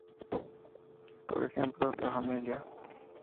Por ejemplo, la familia.